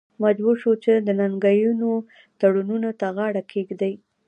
مجبور شو چې ننګینو تړونونو ته غاړه کېږدي.